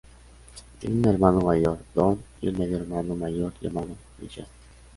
Tiene un hermano mayor, Don, y un medio-hermano mayor, llamado Michael.